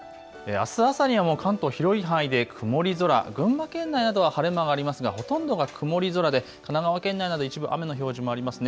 あす朝にはもう関東広い範囲で曇り空、群馬県などは晴れ間がありますがほとんどは曇り空で神奈川県内など一部雨の表示もありますね。